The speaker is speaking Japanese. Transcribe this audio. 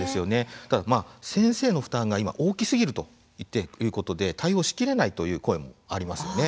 ただ、先生の負担が今大きすぎるということで対応しきれないという声もありますよね。